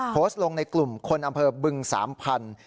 โพสต์ลงในกลุ่มคนอำเภอบึงสามพันธุ